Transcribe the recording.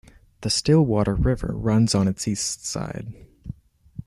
The Stillwater River runs on its east side.